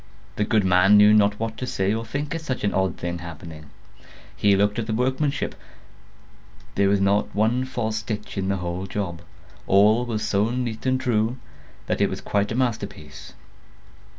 The good man knew not what to say or think at such an odd thing happening. He looked at the workmanship; there was not one false stitch in the whole job; all was so neat and true, that it was quite a masterpiece.